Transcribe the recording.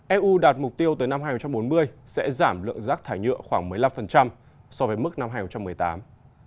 eu đạt mục tiêu tới năm hai nghìn bốn mươi sẽ giảm lượng rác thải nhựa khoảng một mươi năm so với mức năm hai nghìn một mươi tám